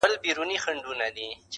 جهاني د هغي شپې وېش دي را پرېښود!!